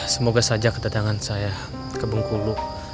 semoga saja kedatangan saya ke bengkulu